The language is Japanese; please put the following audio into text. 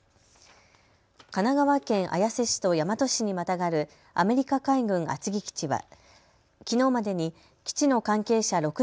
神奈川県綾瀬市と大和市にまたがるアメリカ海軍厚木基地はきのうまでに基地の関係者